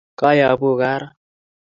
Kayabu gaa raa.